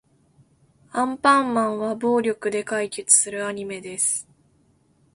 アンパンマンは暴力で解決するアニメです。